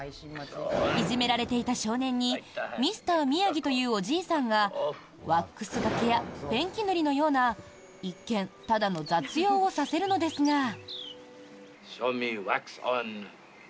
いじめられていた少年にミスター・ミヤギというおじいさんがワックスがけやペンキ塗りのような一見ただの雑用をさせるのですが。